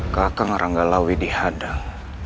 kakang ranggalawi dihadang